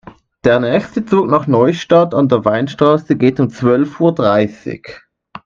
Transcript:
Der nächste Zug nach Neustadt an der Weinstraße geht um zwölf Uhr dreißig